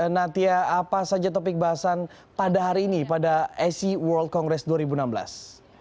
natia apa saja topik bahasan pada hari ini pada ac world congress dua ribu enam belas